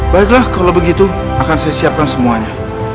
baiklah kalau begitu akan saya siapkan semuanya